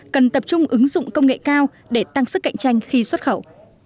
cần tập trung ứng dụng công nghệ cao để tăng sức cạnh tranh khi xuất khẩu